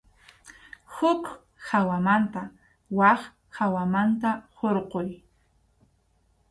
Huk hawamanta wak hawaman hurquy.